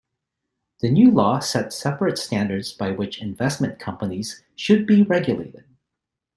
The new law set separate standards by which investment companies should be regulated.